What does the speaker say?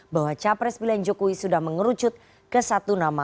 bahwa capres pilihan jokowi sudah mengerucut ke satu nama